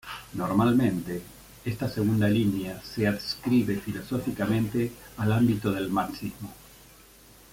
Normalmente, esta segunda línea se adscribe filosóficamente al ámbito del marxismo.